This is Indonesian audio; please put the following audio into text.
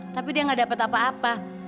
tapi dia gak dapat apa apa